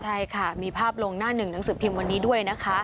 ใช่ค่ะมีภาพลงหน้าหนึ่งหนังสือพิมพ์วันนี้ด้วยนะคะ